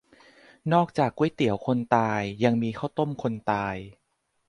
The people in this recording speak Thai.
นอกจากก๋วยเตี๋ยวคนตาย ยังมีข้าวต้มคนตาย